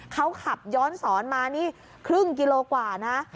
เขาขับย้อนสอนมานี่ครึ่งกิโลกว่านะ